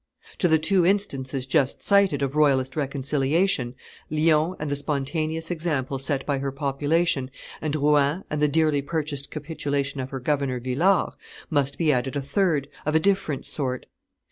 To the two instances just cited of royalist reconciliation Lyons and the spontaneous example set by her population, and Rouen and the dearly purchased capitulation of her governor Villars must be added a third, of a different sort.